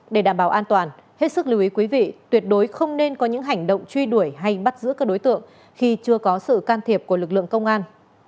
để đảm bảo an toàn hết sức lưu ý quý vị tuyệt đối không nên có những hành động truy đuổi hay bắt giữ các đối tượng khi chưa có sự can thiệp của lực lượng công an